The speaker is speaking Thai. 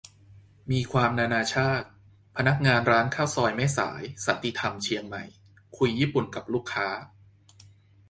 มีความนานาชาติ พนักงานร้านข้าวซอยแม่สาย สันติธรรม เชียงใหม่ คุยญี่ปุ่นกับลูกค้า